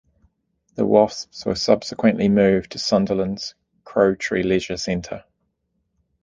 The Wasps were subsequently moved to Sunderland's Crowtree Leisure Centre.